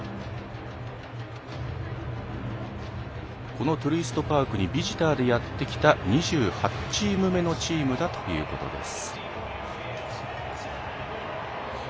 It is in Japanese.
このトゥルイストパークにビジターでやってきた２８チーム目のチームだということです。